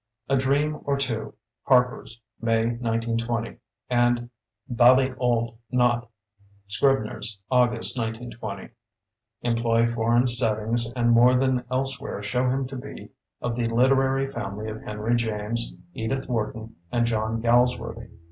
"A Dream or Two" ("Harper's", May, 1920), and "'Bally Old' Knott" ("Scribner's", August, 1920) employ foreign settings and more than elsewhere show him to be of the literary family of Henry James, Edith Wharton, and John Galsworthy.